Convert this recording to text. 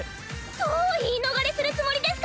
どう言い逃れするつもりですか！